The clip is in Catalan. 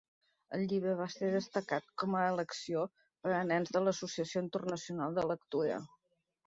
El llibre va ser destacat com a Elecció per a nens de la Associació Internacional de Lectura.